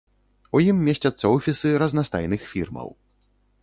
У ім месцяцца офісы разнастайных фірмаў.